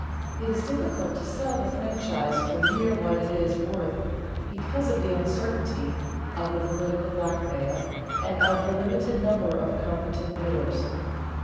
It is difficult to sell the franchise for near what it is worth, because of the uncertainty, of the political blackmail, and of the limited number of competent bidders.